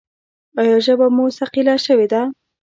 ایا ژبه مو ثقیله شوې ده؟